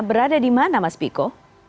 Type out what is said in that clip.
berada di mana mas piko